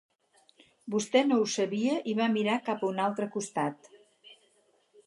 Vostè no ho sabia i va mirar cap a un altre costat?